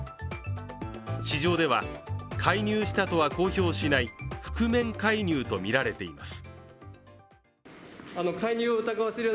市場では介入したとは公表しない覆面介入とみられています。